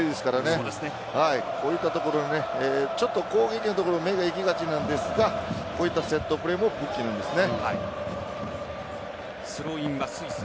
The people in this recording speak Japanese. そういったところ攻撃のところ目がいきがちなんですがこういったセットプレーも武器なんですね。